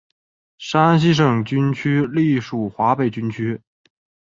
山西省军区隶属华北军区。